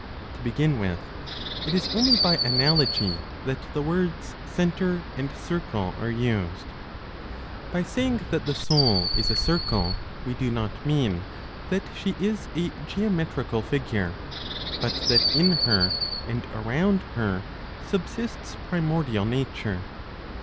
To begin with, it is only by analogy that the words "centre" and "circle" are used. By saying that the soul is a circle, we do not mean that she is a geometrical figure, but that in her and around her subsists primordial nature.